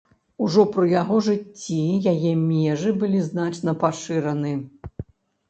Ужо пры яго жыцці яе межы былі значна пашыраны.